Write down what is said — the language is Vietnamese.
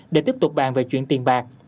để tiếp tục bàn về chuyện tiền bạc